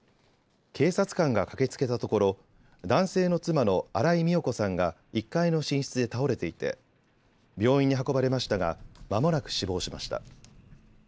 警察官が駆けつけたところ男性の妻の新井美代子さんが１階の寝室で倒れていて病院に運ばれましたがまもなく死亡しました。